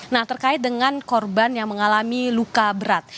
nah terkait dengan korban yang mengalami luka berat